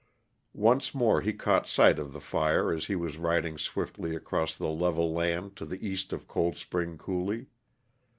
Once more he caught sight of the fire as he was riding swiftly across the level land to the east of Cold Spring Coulee.